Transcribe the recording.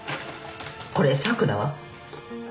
これ「サク」だわ。